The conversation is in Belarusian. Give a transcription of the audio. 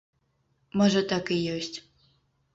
Можа так і ёсць.